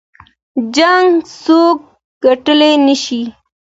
جـنګ څوك ګټلی نه شي